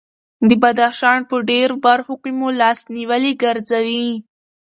د بدخشان په ډېرو برخو کې مو لاس نیولي ګرځوي.